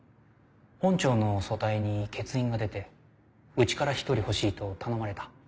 本庁の組対に欠員が出てうちから１人欲しいと頼まれた。